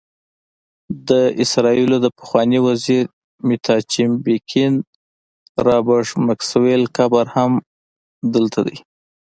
د اسرائیلو د پخواني وزیر میناچم بیګین، رابرټ میکسویل قبر هم دلته دی.